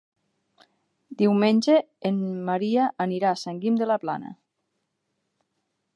Diumenge en Maria anirà a Sant Guim de la Plana.